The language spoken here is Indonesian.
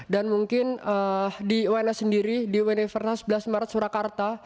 dan mungkin di uns sendiri di universitas blas maret surakarta